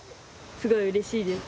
すごいうれしいです。